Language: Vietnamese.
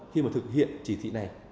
khi mà thực hiện chỉ thị này